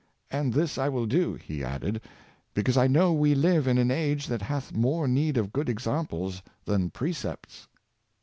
And this I will do," he added, " because 1 know we live in an age that hath more need of good examples than pre cepts."